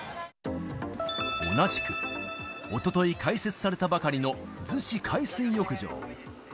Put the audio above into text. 同じく、おととい開設されたばかりの逗子海水浴場。